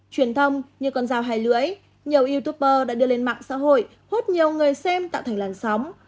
truyền thông như con dao hai lưỡi nhiều youtuber đã đưa lên mạng xã hội hút nhiều người xem tạo thành làn sóng